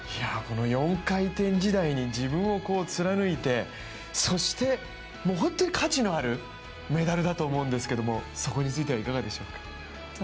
この４回転時代に自分を貫いて、そして本当に価値のあるメダルだと思うんですけどもそこについてはいかがでしょうか？